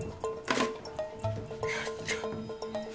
やった！